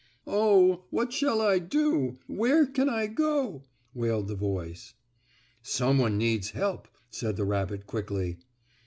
"Oh, what shall I do? Where can I go?" wailed the voice. "Some one needs help," said the rabbit quickly.